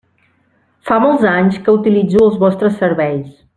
Fa molts anys que utilitzo els vostres serveis.